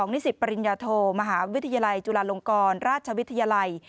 นิสิตปริญญาโทมหาวิทยาลัยจุฬาลงกรราชวิทยาลัย